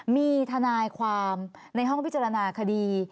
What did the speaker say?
มีทนายความในห้องพิจารณาคดี